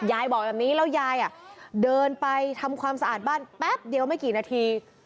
บอกแบบนี้แล้วยายเดินไปทำความสะอาดบ้านแป๊บเดียวไม่กี่นาที